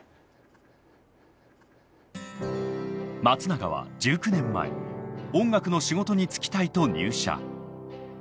松永は１９年前音楽の仕事に就きたいと入社。